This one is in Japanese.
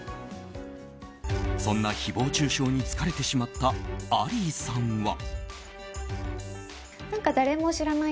そんな誹謗中傷に疲れてしまったアリーさんは。